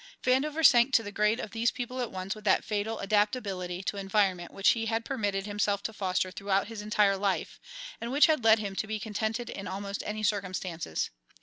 Vandover sank to the grade of these people at once with that fatal adaptability to environment which he had permitted himself to foster throughout his entire life, and which had led him to be contented in almost any circumstances.